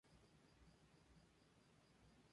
La Cordillera Central es una tierra del período Cretáceo.